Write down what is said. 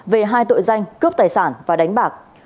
về hai tội danh cướp tài sản và đánh bạc